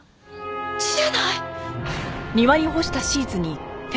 血じゃない？